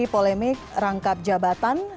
polemik rangkap jabatan